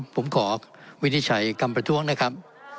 ผมขอวินิจฉัยกรรมประท้วงนะครับ